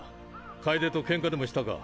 楓とケンカでもしたか？